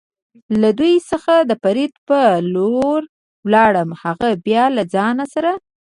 له دوی څخه د فرید په لور ولاړم، هغه بیا له ځان سره.